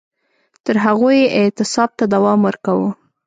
تر هغو یې اعتصاب ته دوام ورکاوه